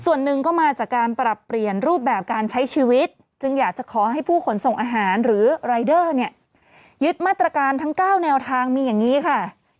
ส่วนหนึ่งก็มาจากการปรับเปลี่ยนรูปแบบการใช้ชีวิตจึงอยากจะขอให้ผู้ขนส่งอาหารหรือรายเดอร์เนี่ยยึดมาตรการทั้ง๙แนวทางมีอย่างนี้ค่ะ